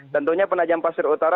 tentunya pemajam pasir utara